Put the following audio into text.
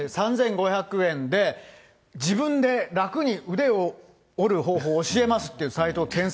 ３５００円で自分で楽に腕を折る方法を教えますっていう